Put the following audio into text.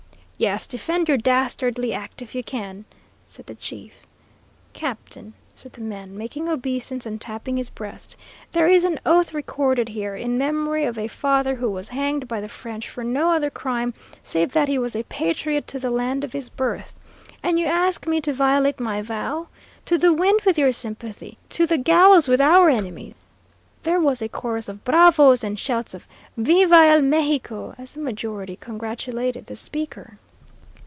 "Yes, defend your dastardly act if you can," said the chief. "Capitan," said the man, making obeisance and tapping his breast, "there is an oath recorded here, in memory of a father who was hanged by the French for no other crime save that he was a patriot to the land of his birth. And you ask me to violate my vow! To the wind with your sympathy! To the gallows with our enemies!" There was a chorus of "bravos" and shouts of "Vivi el Mejico," as the majority congratulated the speaker.